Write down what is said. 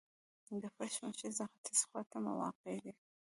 د فرش مسجد ختیځي خواته واقع دی.